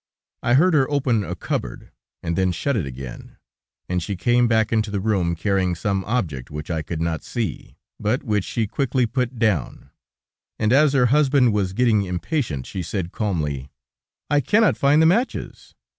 I heard her open a cupboard, and then shut it again, and she came back into the room, carrying some object which I could not see, but which she quickly put down; and as her husband was getting impatient, she said, calmly: "I cannot find the matches."